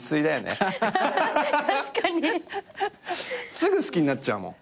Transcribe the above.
すぐ好きになっちゃうもん。